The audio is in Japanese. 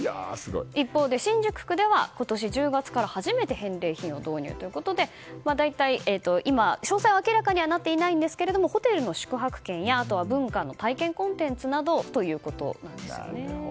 一方で新宿区では今年１０月から初めて返礼品を導入ということで大体、今は詳細は明らかになっていないんですがホテルの宿泊券や文化の体験コンテンツをということです。